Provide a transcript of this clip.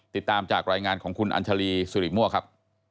ติดตามจากรายงานของคุณอัญชาลีสุริมั่วครับ